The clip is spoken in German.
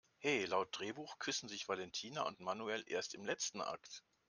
He, laut Drehbuch küssen sich Valentina und Manuel erst im letzten Akt!